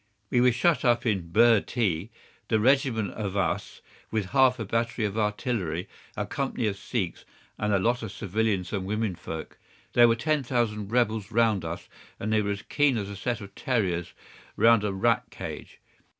"We were shut up in Bhurtee, the regiment of us with half a battery of artillery, a company of Sikhs, and a lot of civilians and women folk. There were ten thousand rebels round us, and they were as keen as a set of terriers round a rat cage.